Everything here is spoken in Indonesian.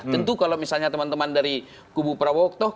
tentu kalau misalnya teman teman dari kubu prabowo